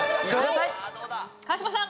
川島さん。